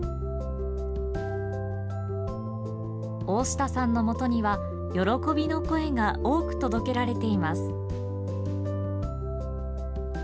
大下さんのもとには、喜びの声が多く届けられています。